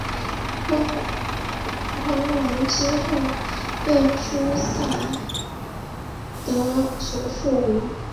荒狼之后被狄萨德所复活。